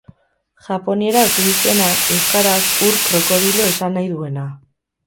Japonieraz du izena, euskaraz ur krokodilo esan nahi duena.